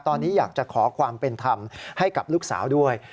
ตอนนี้อยากจะขอความเป็นธรรมให้กับลูกสาวด้วย